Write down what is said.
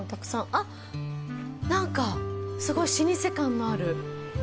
あっ、なんかすごい老舗感のある。